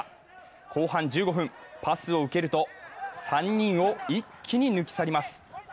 後半１５分、パスを受けると３人を一気に抜き去ります。